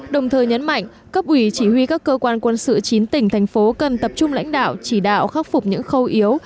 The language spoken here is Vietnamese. đồng thời nhấn mạnh cấp ủy chỉ huy các cơ quan quân sự chín tỉnh thành phố cần tập trung lãnh đạo chỉ đạo khắc phục những khâu yếu